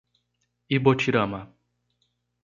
Ibotirama